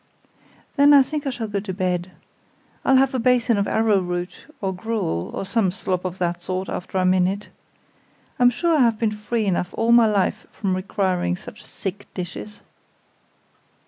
"Then I think I shall go to bed. I'll have a basin of arrowroot or gruel, or some slop of that sort, after I'm in it. I'm sure I have been free enough all my life from requiring such sick dishes."